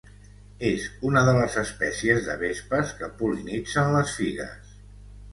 És una de les espècies de vespes que pol·linitzen les figues.